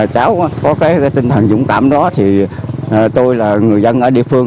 cháu có tinh thần dũng cảm đó tôi là người dân ở địa phương